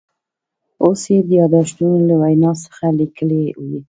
اوس یې د یاداشتونو له وینا څخه لیکلي و.